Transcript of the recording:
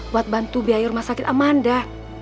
buat bantu biaya rumah sakit amanda